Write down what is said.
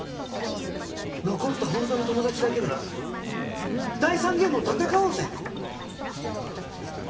残った本当の友達だけで第３ゲームを戦おうぜ！